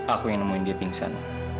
aku yang nemuin dia pingsan